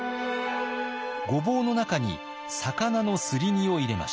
ごぼうの中に魚のすり身を入れました。